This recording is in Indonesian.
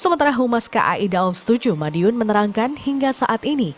sementara humas kai daob tujuh madiun menerangkan hingga saat ini